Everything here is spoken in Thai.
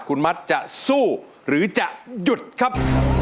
คุณมัดจะสู้หรือจะหยุดครับ